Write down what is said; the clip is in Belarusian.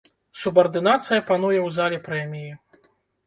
Субардынацыя пануе ў зале прэміі.